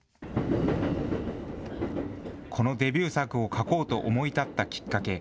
このデビュー作を書こうと思い立ったきっかけ。